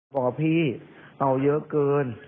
บอกว่าพี่เอาเยอะเกิน